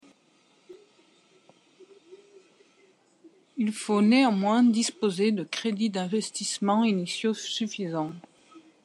Il faut néanmoins disposer de crédits d’investissements initiaux suffisants.